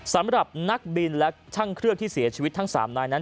สำหรับนักบินและช่างเครื่องที่เสียชีวิตทั้ง๓นายนั้น